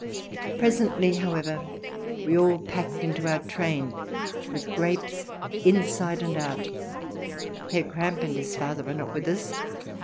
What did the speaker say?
Presently, however, we all packed into our train with grapes inside and out, Herr Kramp and his father were not with us.